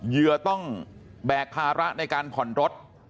เหยื่อต้องแบกภาระในการผ่อนรถ